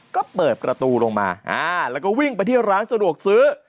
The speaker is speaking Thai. ก็เปิดประตูลงมาแล้วก็วิ่งไปที่ร้านสะดวกซื้อ